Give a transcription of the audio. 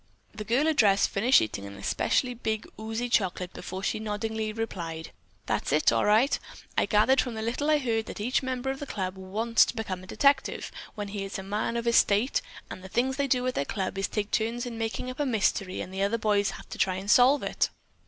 The girl addressed finished eating an especially big oozy chocolate before she noddingly replied: "That's it, all right. I gathered from the little I heard that each member of that club wants to become a detective when he is of man's estate, and the thing they do at their club is to take turns making up a mystery and the other boys have to try to solve it."